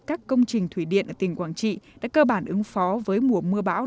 các công trình thủy điện ở tỉnh quảng trị đã cơ bản ứng phó với mùa mưa bão